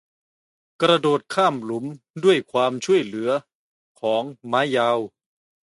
กระโดดข้ามหลุมด้วยความช่วยเหลือของไม้ยาว